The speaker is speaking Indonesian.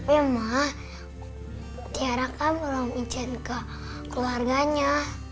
iya ma tiara kan belum icin ke keluarganya